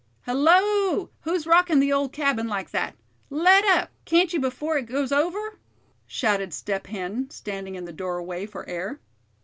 "Hello! who's rocking the old cabin like that? Let up, can't you before it goes over?" shouted Step Hen, standing in the doorway for air.